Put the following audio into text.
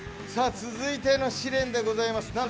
続いての試練でございます。